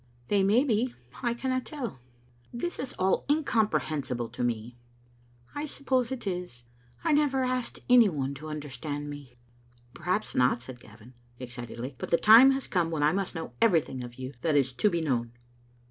"They may be; I cannot tell." "This is all incomprehensible to me." " I suppose it is. I never asked any one to under stand me." "Perhaps not," said Gavin, excitedly; "but the time has come when I must know everything of you that is to be known."